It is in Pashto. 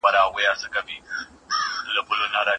په دغه کیسې کي د پخوا زمانې خبري دي.